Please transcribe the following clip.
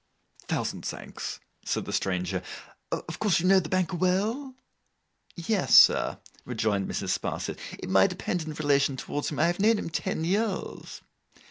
'Thousand thanks,' said the stranger. 'Of course you know the Banker well?' 'Yes, sir,' rejoined Mrs. Sparsit. 'In my dependent relation towards him, I have known him ten years.